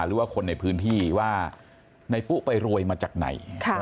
หรือว่าคนในพื้นที่ว่าในปุ๊ไปรวยมาจากไหน